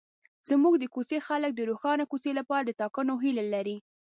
زموږ د کوڅې خلک د روښانه کوڅې لپاره د ټاکنو هیله لري.